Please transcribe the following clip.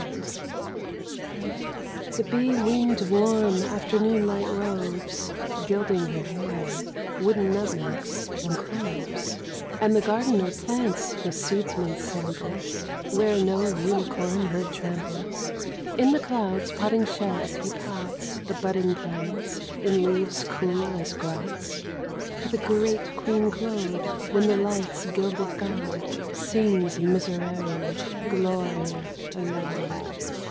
*'«• TT The bee wing'd warm afternoon light roves Gilding her hair (wooden nutmegs and cloves), And the gardener plants his seedsman's samples Where no unicorn herd tramples — In the clouds' potting sheds he pots The budding planets in leaves cool as grots, 47 For the great Queen Claude when the light's gilded gaud Sings Miserere, Gloria, Laud.